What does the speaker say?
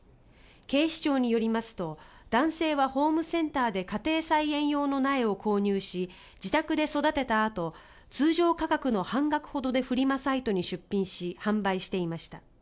警視庁によりますと男性はホームセンターで家庭菜園用の苗を購入し自宅で育てたあと通常価格の半額ほどでフリマサイトに出品し販売していました。